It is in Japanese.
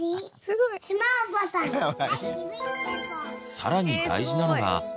更に大事なのがでも